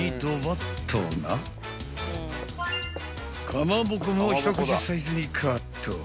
［かまぼこも一口サイズにカット］